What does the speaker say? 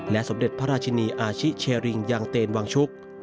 สมเด็จพระราชินีอาชิเชริงยังเตนวังชุก